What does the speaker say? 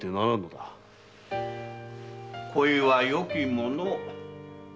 恋はよきもの。